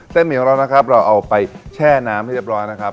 เส้นหมี่ของเรานะครับเราเอาไปแช่น้ำที่เรียบร้อยนะครับ